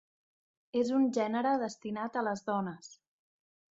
És un gènere destinat a les dones.